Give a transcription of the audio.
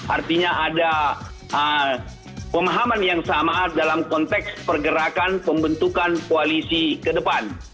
artinya ada pemahaman yang sama dalam konteks pergerakan pembentukan koalisi ke depan